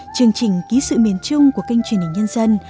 chương trình ký sự miền trung của kênh truyền hình nhân dân